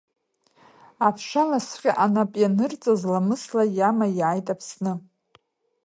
Аԥшаласҵәҟьа анап ианырҵаз, ламысла иама иааит Аԥсны.